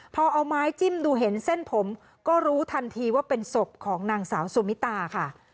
พอเอาไม้จิ้มดูเห็นเส้นผมก็รู้ทันทีว่าเป็นศพของนางสาวสุมิตาค่ะ